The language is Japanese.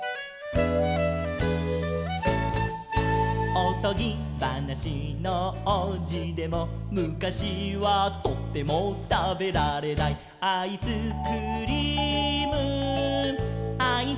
「おとぎばなしのおうじでもむかしはとてもたべられない」「アイスクリームアイスクリーム」